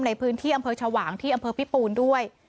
ในพื้นที่อำเภอชวางที่อำเภอพิปูนด้วย